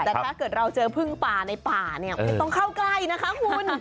แต่ถ้าเกิดเราเจอพึ่งป่าในป่าเนี่ยไม่ต้องเข้าใกล้นะคะคุณ